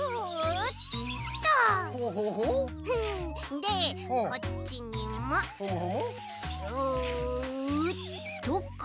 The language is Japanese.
でこっちにもシュッとかいて。